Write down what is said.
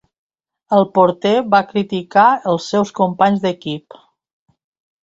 El porter va criticar els seus companys d'equip.